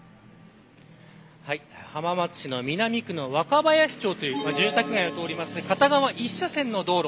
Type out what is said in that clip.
浜松市の南区の若林町という住宅街を通る片側１車線の道路。